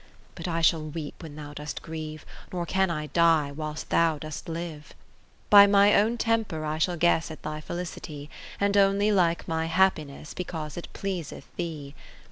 But I shall weep when thou dost grieve ; Nor can I die whilst thou dost live. 30 VI By my own temper I shall guess At thy felicity, And only like my happiness Because it pleaseth thee.